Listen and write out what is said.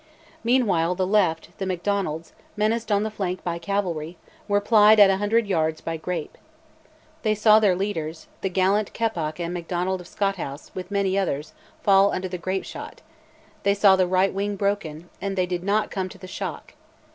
Meanwhile the left, the Macdonalds, menaced on the flank by cavalry, were plied at a hundred yards by grape. They saw their leaders, the gallant Keppoch and Macdonnell of Scothouse, with many others, fall under the grape shot: they saw the right wing broken, and they did not come to the shock.